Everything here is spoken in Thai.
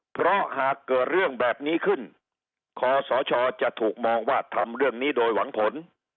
เพราะหากเกิดเรื่องแบบนี้ขึ้นคอสชจะถูกมองว่าทำเรื่องนี้โดยหวังผล